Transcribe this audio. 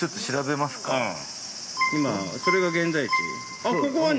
今それが現在地